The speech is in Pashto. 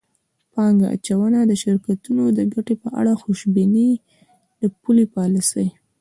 پانګه اچوونکو د شرکتونو د ګټې په اړه خوشبیني د پولي پالیسۍ